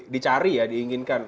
dicari ya diinginkan